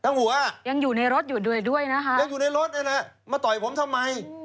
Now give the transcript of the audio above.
หัวยังอยู่ในรถอยู่ด้วยด้วยนะคะยังอยู่ในรถนี่แหละมาต่อยผมทำไม